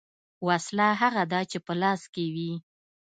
ـ وسله هغه ده چې په لاس کې وي .